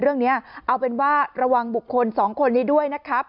เรื่องนี้เอาเป็นว่าระวังบุคคลสองคนนี้ด้วยนะครับ